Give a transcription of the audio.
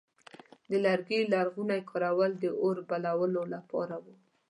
د لرګي لرغونی کارول د اور بلولو لپاره و.